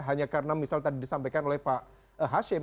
hanya karena misal tadi disampaikan oleh pak hashim